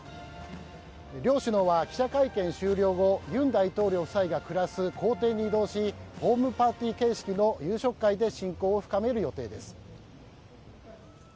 両首脳は記者会見終了後尹大統領夫妻が暮らす公邸に移動しホームパーティー形式の夕食会で親交を深める予定です。